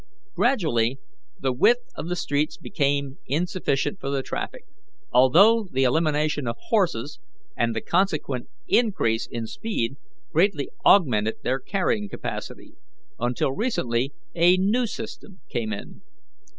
"Gradually the width of the streets became insufficient for the traffic, although the elimination of horses and the consequent increase in speed greatly augmented their carrying capacity, until recently a new system came in.